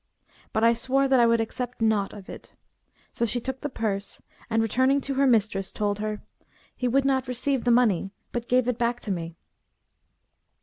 But I swore that I would accept naught of it; so she took the purse and returning to her mistress, told her, 'He would not receive the money, but gave it back to me.'